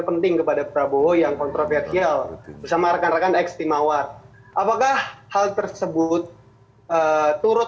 penting kepada prabowo yang kontroversial bersama rekan rekan ekstimawar apakah hal tersebut turut